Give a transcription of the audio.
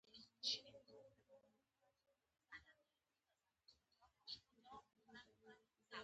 عصري تعلیم مهم دی ځکه چې مجازی واقعیت کاروي.